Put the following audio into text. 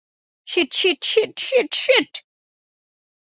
Sheet, shit, shit, shit, sheet.